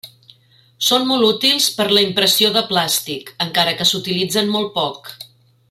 Són molt útils per a la impressió de plàstic, encara que s'utilitzen molt poc.